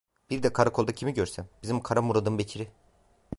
Bir de karakolda kimi görsem: Bizim Kara Muradın Bekir'i.